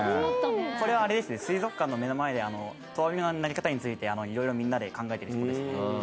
これはあれですね水族館の目の前で投網の投げ方についていろいろみんなで考えてるとこですね。